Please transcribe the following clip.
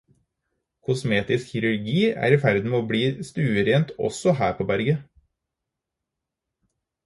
Kosmetisk kirurgi er i ferd med å bli stuerent også her på berget.